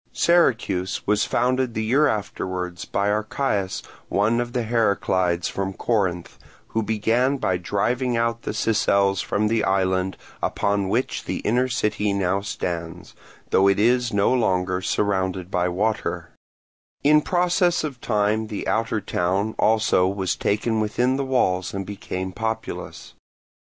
Syracuse was founded the year afterwards by Archias, one of the Heraclids from Corinth, who began by driving out the Sicels from the island upon which the inner city now stands, though it is no longer surrounded by water: in process of time the outer town also was taken within the walls and became populous.